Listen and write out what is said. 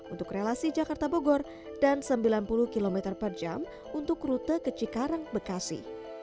untuk relasi jakarta bogor dan sembilan puluh km per jam untuk rute ke cikarang bekasi